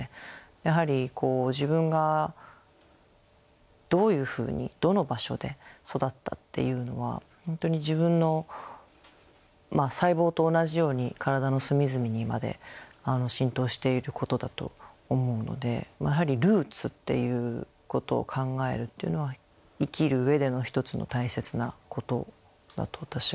やはりこう自分がどういうふうにどの場所で育ったっていうのは本当に自分の細胞と同じように体の隅々にまで浸透していることだと思うのでやはりルーツっていうことを考えるっていうのは生きる上での一つの大切なことだと私は思いますね。